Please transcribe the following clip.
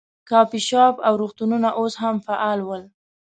کافې شاپ او روغتونونه اوس هم فعال ول.